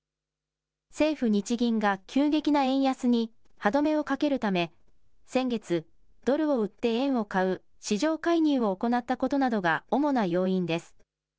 政府・日銀が急激な円安に歯止めをかけるため、先月、ドルを売って円を買う市場介入を行ったことなどが主な要因です。